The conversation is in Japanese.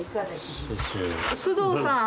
須藤さん。